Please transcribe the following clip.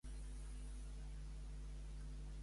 Notificació a les onze per prendre'm l'Enantyum.